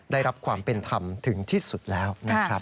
ได้รับความเป็นธรรมถึงที่สุดแล้วนะครับ